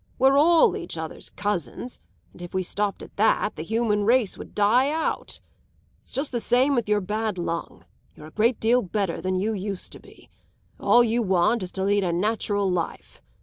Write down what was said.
We're all each other's cousins, and if we stopped at that the human race would die out. It's just the same with your bad lung. You're a great deal better than you used to be. All you want is to lead a natural life.